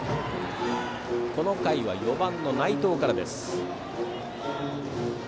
この回は４番の内藤からです。